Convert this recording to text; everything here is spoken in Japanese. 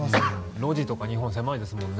路地とか日本は狭いですもんね。